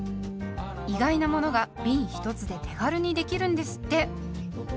意外なものがびん１つで手軽にできるんですって。